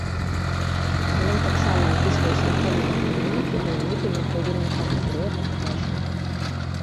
Гален таксама апісвае сімптомы ліхаманкі, ваніты, непрыемны пах з рота, кашаль.